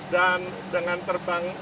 dan dengan terbang